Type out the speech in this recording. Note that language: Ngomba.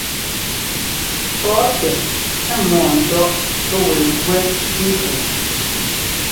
Fɔ̌tɛ mɔ̂ɔntɔ́ʼ wɛ gúɛ́ nkuu.